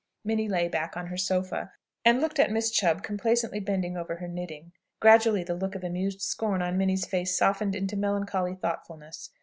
Minnie lay back on her sofa, and looked at Miss Chubb complacently bending over her knitting. Gradually the look of amused scorn on Minnie's face softened into melancholy thoughtfulness.